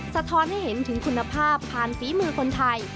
สะท้อนให้เห็นถึงคุณภาพผ่านฝีมือคนไทย